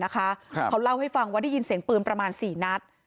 เขาเล่าให้ฟังว่าได้ยินเสียงปืนประมาณ๔นัด